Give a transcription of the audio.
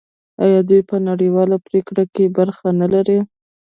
آیا دوی په نړیوالو پریکړو کې برخه نلري؟